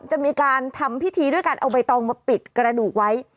จะมีการทำพิธีด้วยการเอาใบตองมาปิดกระดูกไว้